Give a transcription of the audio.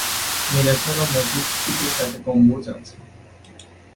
মিনার ছাড়াও মসজিদটিতে চারটি গম্বুজ আছে।